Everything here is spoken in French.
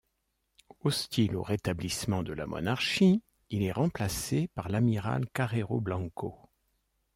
Hostile au rétablissement de la monarchie, il est remplacé par l'amiral Carrero Blanco.